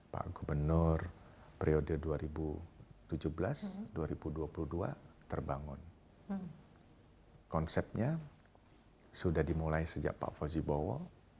pak gubernur periode dua ribu tujuh belas dua ribu dua puluh dua terbangun konsepnya sudah dimulai sejak pak fauzi bowo